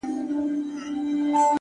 زما د ژوند ټوله فلسفه ورانه ده.!